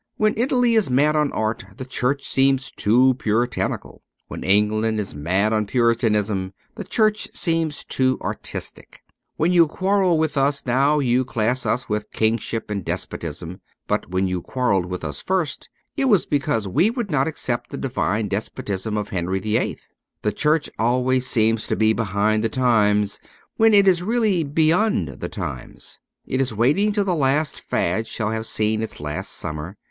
When Italy is mad on art the Church seems too Puritanical ; when England is mad on Puritanism the Church seems too artistic. When you quarrel with us now you class us with kingship and despotism ; but when you quarrelled with us first it was because we would not accept the divine despotism of Henry VIII. The Church always seems to be behind the times> when it is really beyond the times ; it is waiting till the last fad shall have seen its last summer.